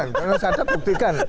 karena disatap buktikan